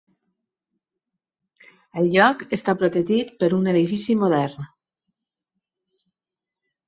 El lloc està protegit per un edifici modern.